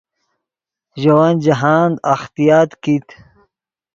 ژے ون جاہند اختیاط کیت